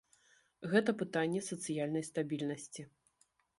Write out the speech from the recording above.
Гэта пытанне сацыяльнай стабільнасці.